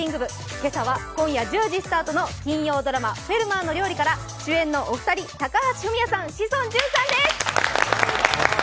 今朝は今夜１０時スタートの「フェルマーの料理」から主演のお二人高橋文哉さん、志尊淳さんです。